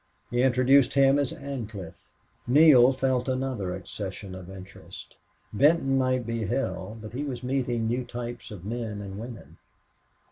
He introduced him as Ancliffe. Neale felt another accession of interest. Benton might be hell, but he was meeting new types of men and women.